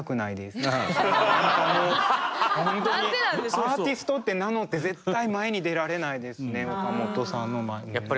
アーティストって名乗って絶対前に出られないですね岡本さんの前にね。